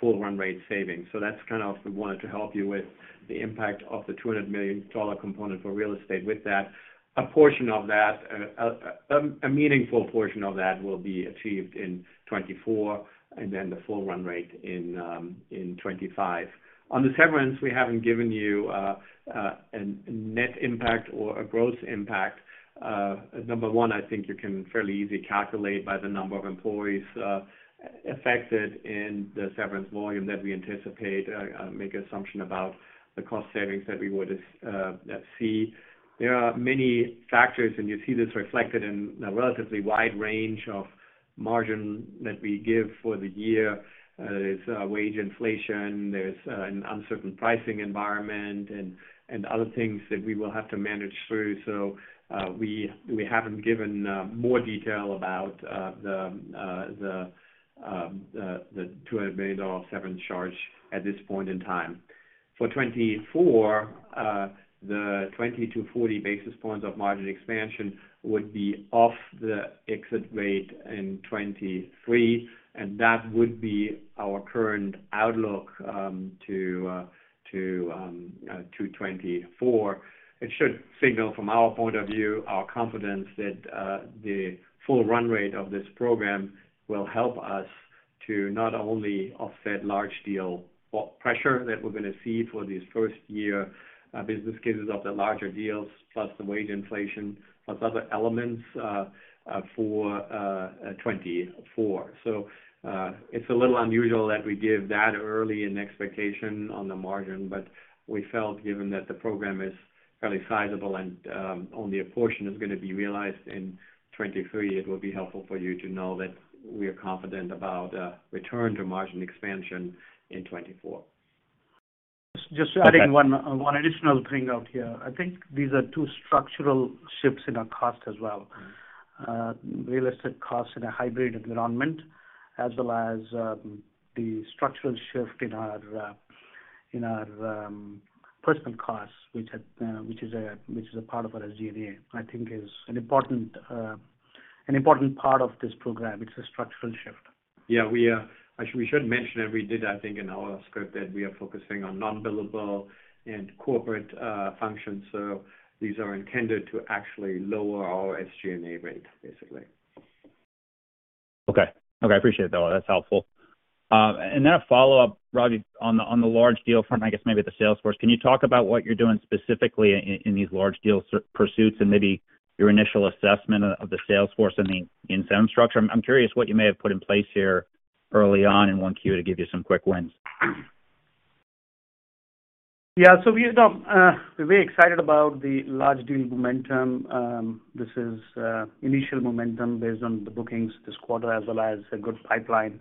full run rate savings. That's kind of we wanted to help you with the impact of the $200 million component for real estate with that. A portion of that. A meaningful portion of that will be achieved in 2024 and then the full run rate in 2025. On the severance, we haven't given you a net impact or a gross impact. Number one, I think you can fairly easily calculate by the number of employees affected in the severance volume that we anticipate, make assumption about the cost savings that we would see. There are many factors, and you see this reflected in a relatively wide range of margin that we give for the year. There's wage inflation, there's an uncertain pricing environment and other things that we will have to manage through. We haven't given more detail about the $200 million severance charge at this point in time. For 2024, the 20-40 basis points of margin expansion would be off the exit rate in 2023, and that would be our current outlook, to, you know, to 2024. It should signal from our point of view, our confidence that, the full run rate of this program will help us to not only offset large deal pressure that we're going to see for these first year, business cases of the larger deals, plus the wage inflation, plus other elements, for, 2024. It's a little unusual that we give that early an expectation on the margin, but we felt given that the program is fairly sizable and only a portion is going to be realized in 2023, it would be helpful for you to know that we are confident about return to margin expansion in 2024. Just adding one additional thing out here. I think these are two structural shifts in our cost as well. Real estate costs in a hybrid environment, as well as, the structural shift in our, in our, personal costs, which is a, which is a part of our SG&A, I think is an important, an important part of this program. It's a structural shift. We should mention that we did, I think in our script, that we are focusing on non-billable and corporate functions, so these are intended to actually lower our SG&A rate, basically. Okay. Okay, I appreciate it, though. That's helpful. A follow-up, Ravi, on the, on the large deal front, I guess maybe the sales force. Can you talk about what you're doing specifically in these large deal pursuits and maybe your initial assessment of the sales force and the incentive structure? I'm curious what you may have put in place here early on in 1Q to give you some quick wins. Yeah. We're very excited about the large deal momentum. This is initial momentum based on the bookings this quarter, as well as a good pipeline.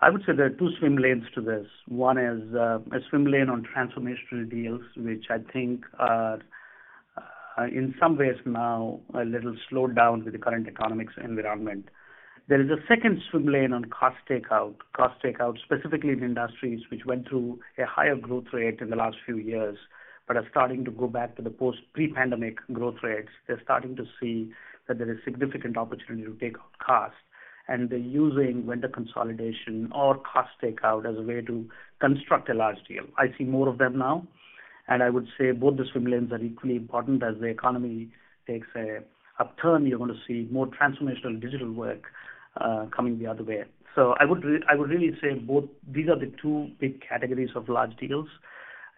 I would say there are two swim lanes to this. One is a swim lane on transformational deals, which I think are in some ways now a little slowed down with the current economics environment. There is a second swim lane on cost takeout. Cost takeout, specifically in industries which went through a higher growth rate in the last few years, but are starting to go back to the post pre-pandemic growth rates. They're starting to see that there is significant opportunity to take out cost, and they're using vendor consolidation or cost takeout as a way to construct a large deal. I see more of them now, and I would say both the swim lanes are equally important. As the economy takes a upturn, you're going to see more transformational digital work, coming the other way. I would really say both these are the two big categories of large deals.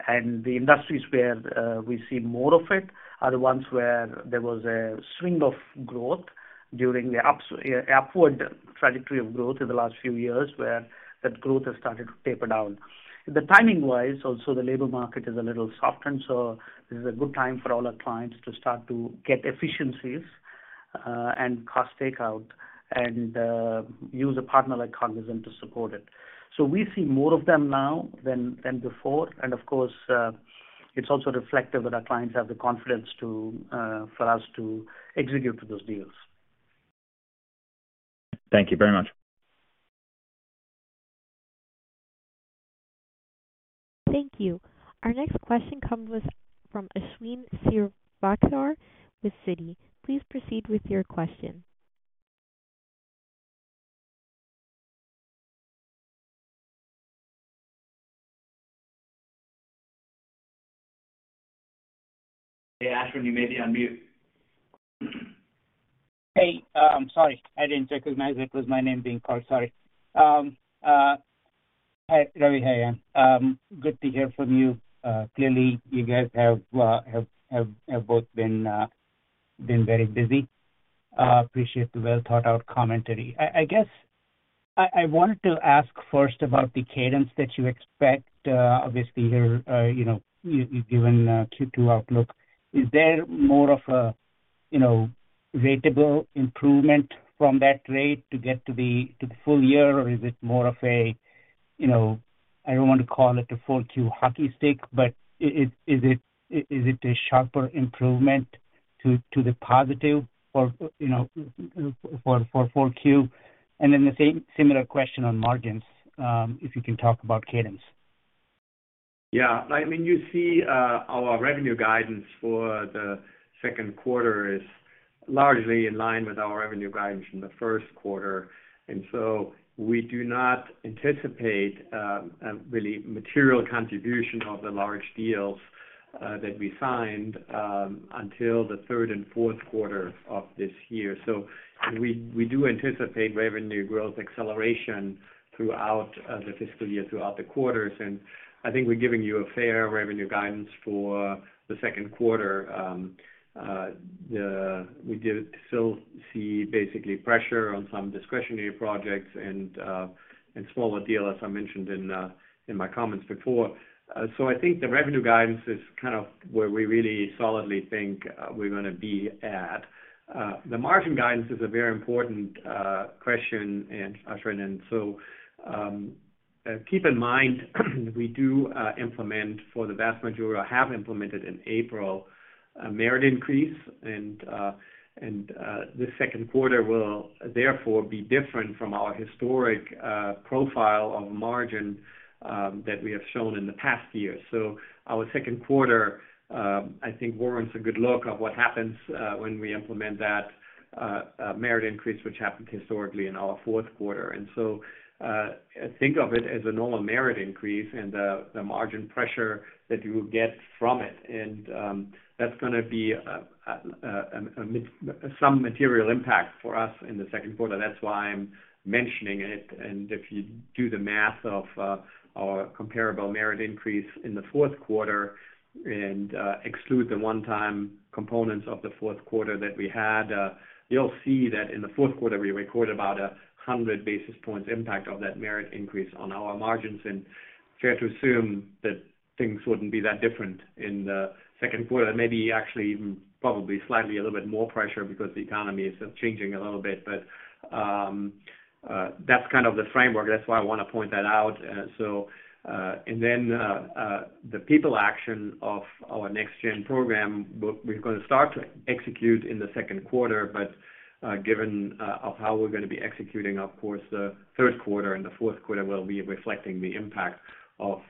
The industries where, we see more of it are the ones where there was a swing of growth during the upward trajectory of growth in the last few years, where that growth has started to taper down. The timing-wise, also the labor market is a little softened, so this is a good time for all our clients to start to get efficiencies, and cost takeout and, use a partner like Cognizant to support it. We see more of them now than before, and of course, it's also reflective that our clients have the confidence to for us to execute to those deals. Thank you very much. Thank you. Our next question comes from Ashwin Shirvaikar with Citi. Please proceed with your question. Hey, Ashwin, you may be on mute. Hey, I'm sorry. I didn't recognize it was my name being called. Sorry. Hi, Ravi. Hey, Jan. Good to hear from you. Clearly, you guys have both been very busy. Appreciate the well-thought-out commentary. I wanted to ask first about the cadence that you expect. Obviously you're, you know, you've given a Q2 outlook. Is there more of a, you know, ratable improvement from that rate to get to the full-year? Or is it more of a, you know, I don't want to call it a 4Q hockey stick, but is it a sharper improvement to the positive for, you know, for Q? Then the same similar question on margins, if you can talk about cadence. Yeah. I mean, you see, our revenue guidance for the second quarter is largely in line with our revenue guidance in the first quarter. We do not anticipate really material contribution of the large deals that we signed until the third and fourth quarter of this year. We do anticipate revenue growth acceleration throughout the fiscal year, throughout the quarters. I think we're giving you a fair revenue guidance for the second quarter. We do still see basically pressure on some discretionary projects and smaller deals, as I mentioned in my comments before. I think the revenue guidance is kind of where we really solidly think we're gonna be at. The margin guidance is a very important question, Ashwin, keep in mind, we do implement for the vast majority, or have implemented in April, a merit increase. This second quarter will therefore be different from our historic profile of margin that we have shown in the past year. Our second quarter, I think warrants a good look of what happens when we implement that merit increase, which happened historically in our fourth quarter. Think of it as a normal merit increase and the margin pressure that you will get from it. That's gonna be some material impact for us in the second quarter. That's why I'm mentioning it. If you do the math of our comparable merit increase in the fourth quarter and exclude the one-time components of the fourth quarter that we had, you'll see that in the fourth quarter, we record about 100 basis points impact of that merit increase on our margins. Fair to assume that things wouldn't be that different in the second quarter, maybe actually even probably slightly a little bit more pressure because the economy is changing a little bit. That's kind of the framework. That's why I wanna point that out. And then, the people action of our NextGen program, we're gonna start to execute in the second quarter. Given, of how we're gonna be executing, of course, the third quarter and the fourth quarter will be reflecting the impact of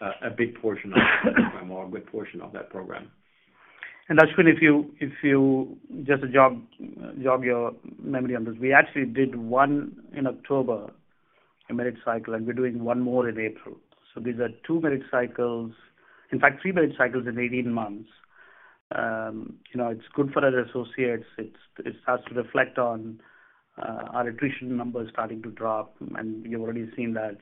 a big portion of that program or a good portion of that program. Ashwin Shirvaikar, just to jog your memory on this, we actually did one in October, a merit cycle, and we're doing one more in April. These are two merit cycles, in fact three merit cycles in 18 months. You know, it's good for our associates. It starts to reflect on our attrition numbers starting to drop. You've already seen that,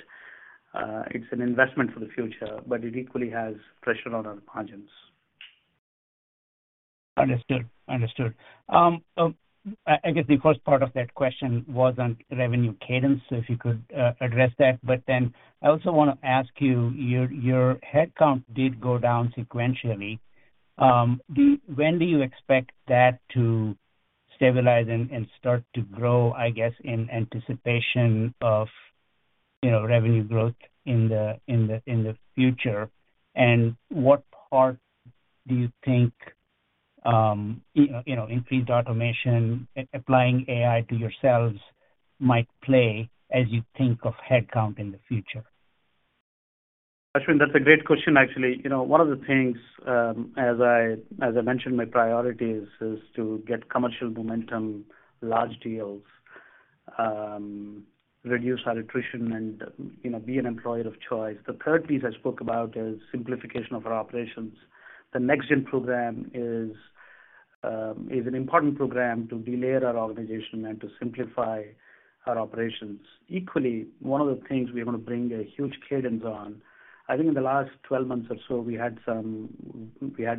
it's an investment for the future, but it equally has pressure on our margins. Understood. Understood. I guess the first part of that question was on revenue cadence, if you could address that. I also wanna ask you, your headcount did go down sequentially. When do you expect that to stabilize and start to grow, I guess, in anticipation of, you know, revenue growth in the future? What part do you think, you know, increased automation, applying AI to yourselves might play as you think of headcount in the future? Ashwin, that's a great question, actually. You know, one of the things, as I mentioned, my priorities is to get commercial momentum, large deals, reduce our attrition and, you know, be an employer of choice. The third piece I spoke about is simplification of our operations. The NextGen program is an important program to de-layer our organization and to simplify our operations. One of the things we wanna bring a huge cadence on, I think in the last 12 months or so, we had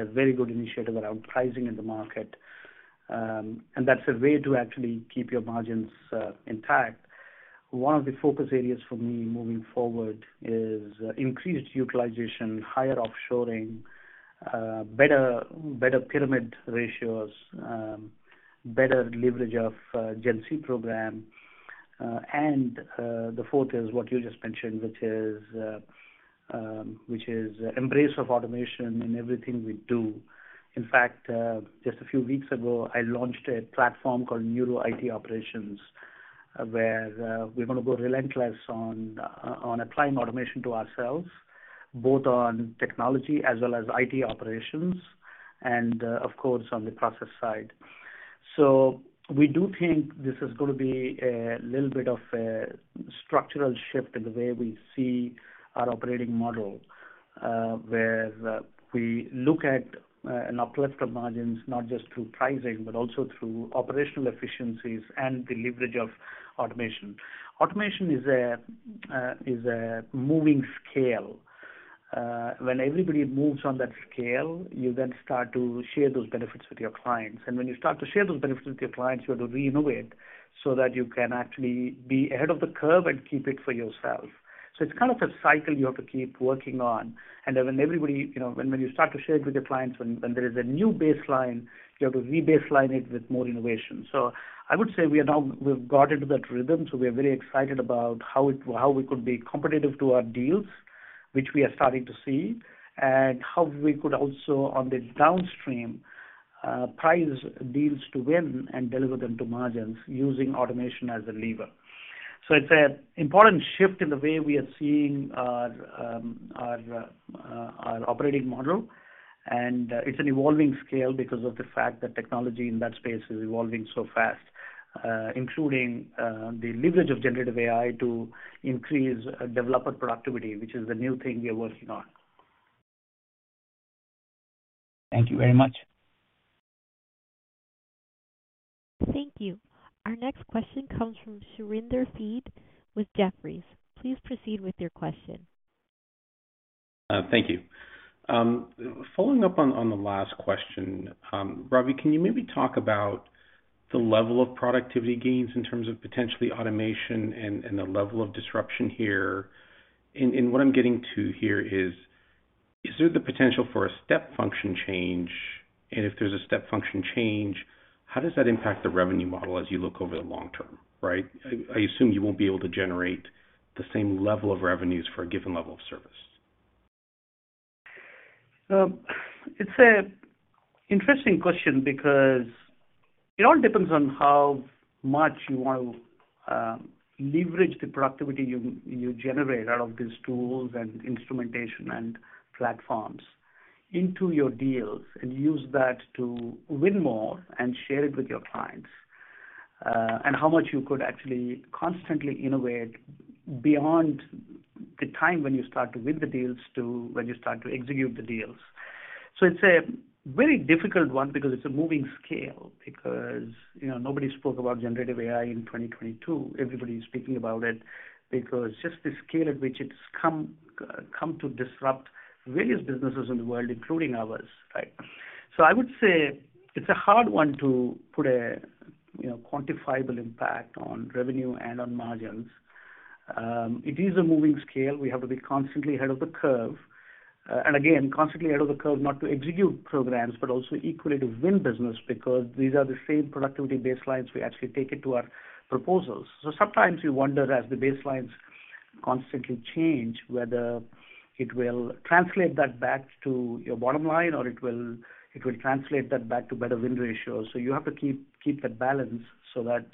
a very good initiative around pricing in the market. That's a way to actually keep your margins intact. One of the focus areas for me moving forward is increased utilization, higher offshoring, better pyramid ratios, better leverage of GenC program. The fourth is what you just mentioned, which is embrace of automation in everything we do. In fact, just a few weeks ago, I launched a platform called Neuro IT Operations, where we're gonna go relentless on applying automation to ourselves, both on technology as well as IT operations, and, of course, on the process side. We do think this is gonna be a little bit of a structural shift in the way we see our operating model, where we look at an uplift of margins, not just through pricing, but also through operational efficiencies and the leverage of automation. Automation is a moving scale. When everybody moves on that scale, you then start to share those benefits with your clients. When you start to share those benefits with your clients, you have to re-innovate so that you can actually be ahead of the curve and keep it for yourself. It's kind of a cycle you have to keep working on. Then when everybody, you know, when you start to share it with your clients, when there is a new baseline, you have to re-baseline it with more innovation. I would say we've got into that rhythm, so we are very excited about how we could be competitive to our deals, which we are starting to see, and how we could also, on the downstream, price deals to win and deliver them to margins using automation as a lever. It's a important shift in the way we are seeing our our operating model, and it's an evolving scale because of the fact that technology in that space is evolving so fast, including the leverage of generative AI to increase developer productivity, which is a new thing we are working on. Thank you very much. Thank you. Our next question comes from Surinder Thind with Jefferies. Please proceed with your question. Thank you. Following up on the last question, Ravi, can you maybe talk about the level of productivity gains in terms of potentially automation and the level of disruption here? What I'm getting to here is there the potential for a step function change? If there's a step function change, how does that impact the revenue model as you look over the long-term? Right? I assume you won't be able to generate the same level of revenues for a given level of service. It's an interesting question because it all depends on how much you want to leverage the productivity you generate out of these tools and instrumentation and platforms into your deals and use that to win more and share it with your clients. How much you could actually constantly innovate beyond the time when you start to win the deals to when you start to execute the deals. It's a very difficult one because it's a moving scale. Because, you know, nobody spoke about generative AI in 2022. Everybody's speaking about it because just the scale at which it's come to disrupt various businesses in the world, including ours, right. I would say it's a hard one to put a, you know, quantifiable impact on revenue and on margins. It is a moving scale. We have to be constantly ahead of the curve. Again, constantly ahead of the curve, not to execute programs, but also equally to win business, because these are the same productivity baselines we actually take into our proposals. Sometimes we wonder, as the baselines constantly change, whether it will translate that back to your bottom line, or it will translate that back to better win ratios. You have to keep that balance so that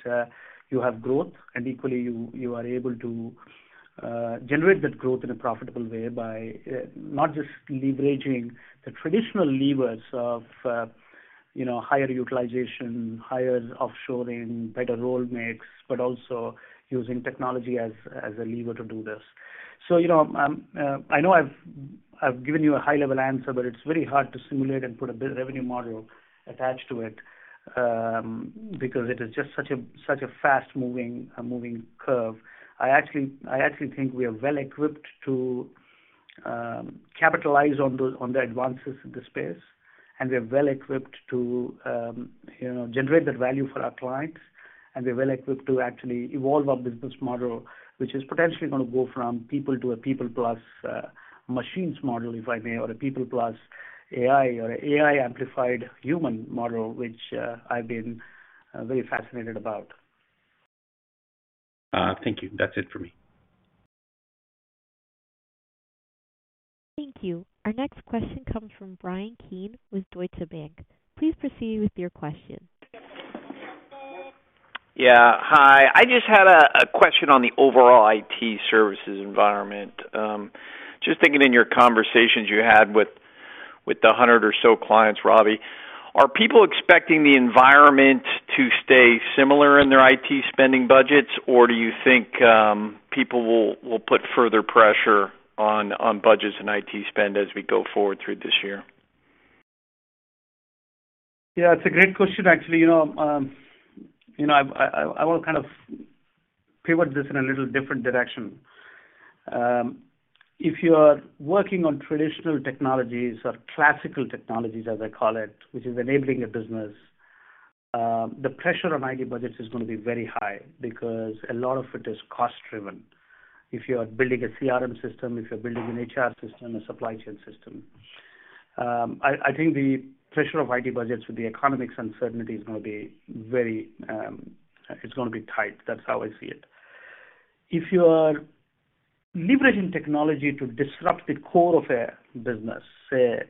you have growth, and equally, you are able to generate that growth in a profitable way by not just leveraging the traditional levers of, you know, higher utilization, higher offshoring, better role mix, but also using technology as a lever to do this. You know, I know I've given you a high-level answer, but it's very hard to simulate and put a revenue model attached to it, because it is just such a, such a fast moving curve. I actually think we are well equipped to capitalize on the advances in the space, and we are well equipped to, you know, generate that value for our clients, and we are well equipped to actually evolve our business model, which is potentially gonna go from people to a people plus machines model, if I may, or a people plus AI or AI amplified human model, which I've been very fascinated about. thank you. That's it for me. Thank you. Our next question comes from Bryan Keane with Deutsche Bank. Please proceed with your question. Yeah. Hi. I just had a question on the overall IT services environment. Just thinking in your conversations you had with the 100 or so clients, Ravi, are people expecting the environment to stay similar in their IT spending budgets? Do you think people will put further pressure on budgets and IT spend as we go forward through this year? It's a great question actually. You know, you know, I wanna kind of pivot this in a little different direction. If you are working on traditional technologies or classical technologies, as I call it, which is enabling a business, the pressure on IT budgets is gonna be very high because a lot of it is cost driven. If you are building a CRM system, if you're building an HR system, a supply chain system. I think the pressure of IT budgets with the economics uncertainty is gonna be very, it's gonna be tight. That's how I see it. If you are leveraging technology to disrupt the core of a business, say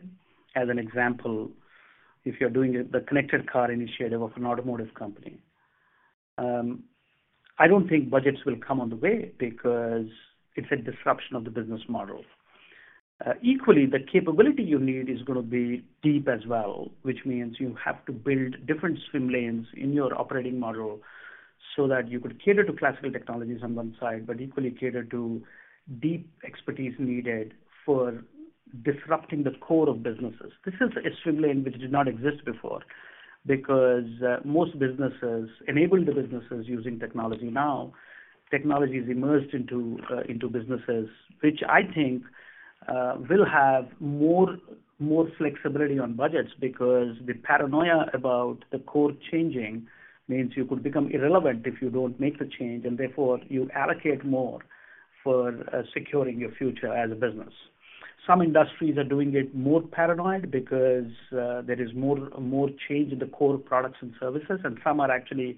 as an example, if you're doing it. the connected car initiative of an automotive company, I don't think budgets will come on the way because it's a disruption of the business model. Equally, the capability you need is gonna be deep as well, which means you have to build different swim lanes in your operating model so that you could cater to classical technologies on one side, but equally cater to deep expertise needed for disrupting the core of businesses. This is a swim lane which did not exist before. Because enabling the businesses using technology now, technology is immersed into businesses, which I think, will have more flexibility on budgets because the paranoia about the core changing means you could become irrelevant if you don't make the change. Therefore you allocate more for securing your future as a business. Some industries are doing it more paranoid because there is more change in the core products and services. Some are actually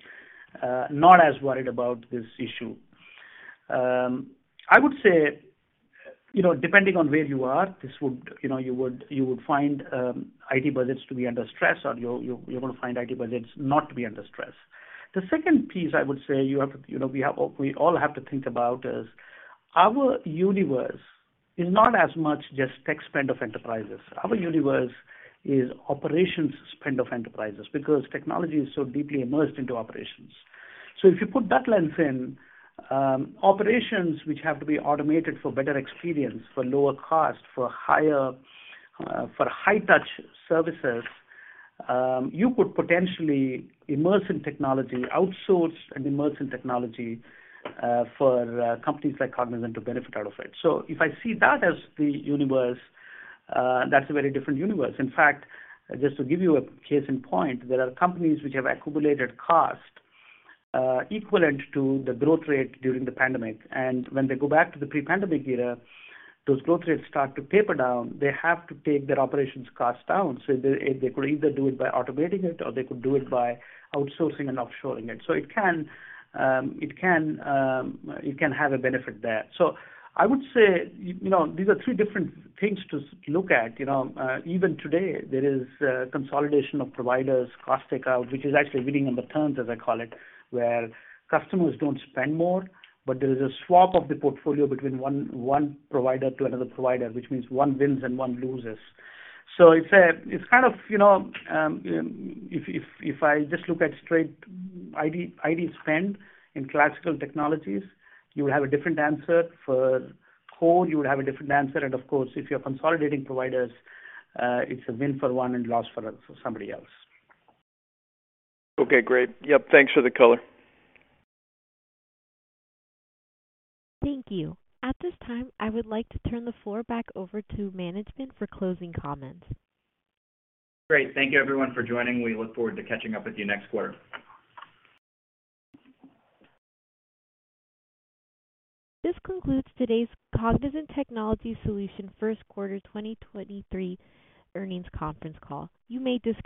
not as worried about this issue. I would say, you know, depending on where you are, you know, you would find IT budgets to be under stress, or you're gonna find IT budgets not to be under stress. The second piece I would say, you know, we all have to think about is our universe is not as much just tech spend of enterprises. Our universe is operations spend of enterprises because technology is so deeply immersed into operations. If you put that lens in, operations which have to be automated for better experience, for lower cost, for higher, for high touch services, you could potentially immerse in technology, outsource and immerse in technology, for companies like Cognizant to benefit out of it. If I see that as the universe, that's a very different universe. In fact, just to give you a case in point, there are companies which have accumulated cost equivalent to the growth rate during the pandemic. When they go back to the pre-pandemic era, those growth rates start to taper down. They have to take their operations cost down. They could either do it by automating it or they could do it by outsourcing and offshoring it. It can have a benefit there. I would say, you know, these are three different things to look at. You know, even today, there is consolidation of providers, cost takeout, which is actually winning on the terms, as I call it, where customers don't spend more, but there is a swap of the portfolio between one provider to another provider, which means one wins and one loses. it's kind of, you know, if I just look at straight ID spend in classical technologies, you will have a different answer. For core, you would have a different answer. of course, if you're consolidating providers, it's a win for one and loss for somebody else. Okay, great. Yep, thanks for the color. Thank you. At this time, I would like to turn the floor back over to management for closing comments. Great. Thank you everyone for joining. We look forward to catching up with you next quarter. This concludes today's Cognizant Technology Solutions first quarter 2023 earnings conference call. You may disconnect.